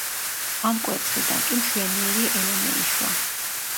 ამ კვერცხიდან კი მშვენიერი ელენე იშვა.